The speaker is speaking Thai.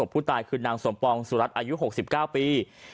ผู้ตายคือนางสมปองสุรัตน์อายุ๖๙ปี